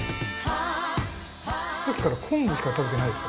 さっきから昆布しか食べてないですよね。